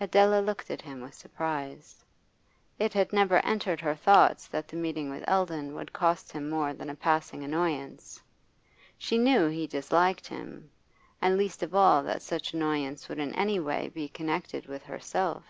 Adela looked at him with surprise. It had never entered her thoughts that the meeting with Eldon would cost him more than a passing annoyance she knew he disliked him and least of all that such annoyance would in any way be connected with herself.